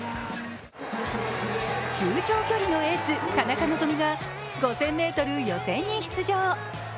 中長距離のエース田中希実が５０００ｍ予選に出場。